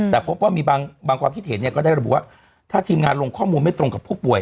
แต่พบว่ามีบางความคิดเห็นก็ได้ระบุว่าถ้าทีมงานลงข้อมูลไม่ตรงกับผู้ป่วย